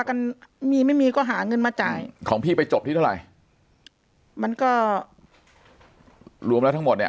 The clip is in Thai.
กันมีไม่มีก็หาเงินมาจ่ายของพี่ไปจบที่เท่าไหร่มันก็รวมแล้วทั้งหมดเนี้ย